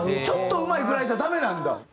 ちょっとうまいぐらいじゃダメなんだ。